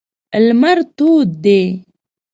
لمر تود دی.